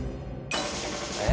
え